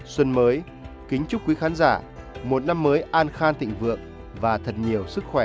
xuân mới kính chúc quý khán giả một năm mới an khan tịnh vượng và thật nhiều sức khỏe